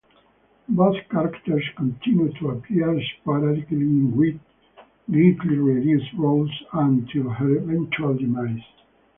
Both characters continued to appear sporadically, in greatly reduced roles, until her eventual demise.